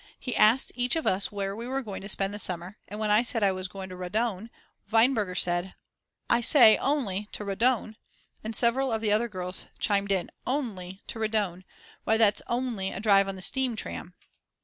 He asked each of us where we were going to spend the summer, and when I said I was going to Rodaun, Weinberger said: I say, only to Rodaun! and several of the other girls chimed in: Only to Rodaun; why that's only a drive on the steam tram.